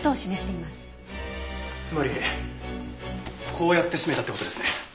つまりこうやって絞めたって事ですね。